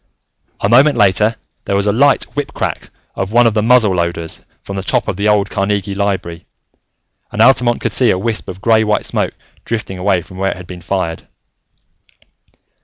A moment later, there was a light whip crack of one of the muzzleloaders, from the top of the old Carnegie Library, and Altamont could see a wisp of grey white smoke drifting away from where it had been fired.